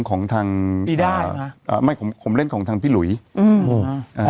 ของทางพี่ได้อ่าไม่ผมผมเล่นของทางพี่หลุยอืมอ่า